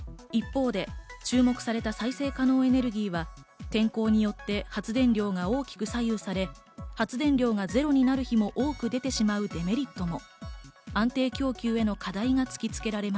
一方で注目された再生可能エネルギーは天候によって発電量が大きく左右され、発電がゼロになる日も多く出てしまうデメリットも。